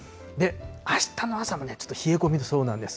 あしたの朝もちょっと冷え込みそうなんです。